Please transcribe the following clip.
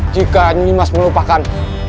jika nimas melupakan